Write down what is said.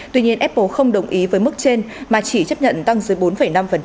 tuy nhiên apple không đồng ý với mức trên mà chỉ chấp nhận tăng dưới bốn năm